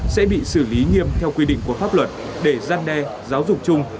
sẽ bị xử lý nghiêm theo quy định của pháp luật để gian đe giáo dục chung